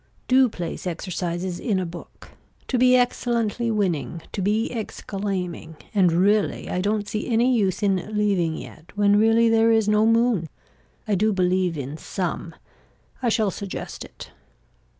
Do place exercises in a book. To be excellently winning, to be exclaiming and really I don't see any use in leaving yet when really there is no moon. I do believe in some. I shall suggest it.